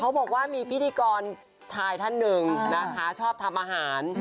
บอกว่ามีพิธีกรชายท่านหนึ่งนะคะชอบทำอาหาร